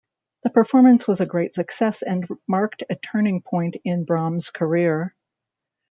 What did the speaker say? The performance was a great success and marked a turning point in Brahms's career.